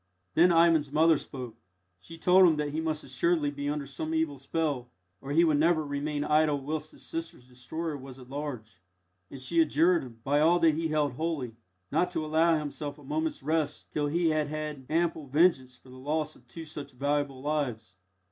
Then Ivan's mother spoke. She told him that he must assuredly be under some evil spell, or he would never remain idle whilst his sisters' destroyer was at large, and she adjured him, by all that he held holy, not to allow himself a moment's rest till he had had ample vengeance for the loss of two such valuable lives.